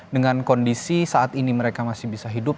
dengan kondisi saat ini mereka masih bisa hidup